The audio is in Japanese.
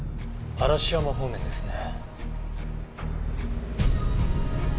嵐山方面ですね。